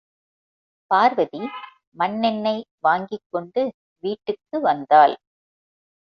பார்வதி மண்ணெண்ணெய் வாங்கிக்கொண்டு வீட்டுக்கு வந்தாள்.